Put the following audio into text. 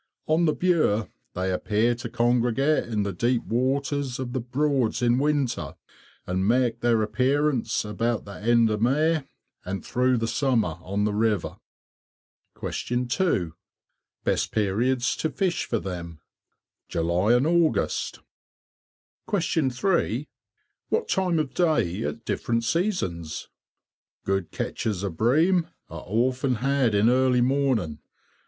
On the Bure they appear to congregate in the deep waters of the Broads in winter, and make their appearance about the end of May and through the summer on the river. 2. Best periods to fish for them? July and August. 3. What time of day at different seasons? Good catches of bream are often had in early morning.